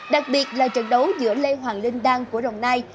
đặc biệt là trận đấu giữa lê hoàng linh đăng của rồng nai